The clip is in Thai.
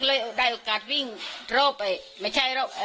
ก็เลยว่าพี่อย่าเพิ่งทำฉันเลย